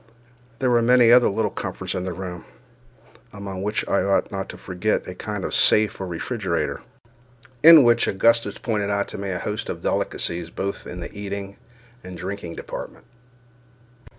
There were many other little comforts in the room, among which I ought not to forget a kind of safe or refrigerator, in which Augustus pointed out to me a host of delicacies, both in the eating and drinking department.